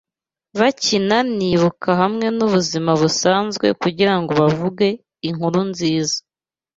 bakina nibuka hamwe nubuzima busanzwe kugirango bavuge inkuru nziza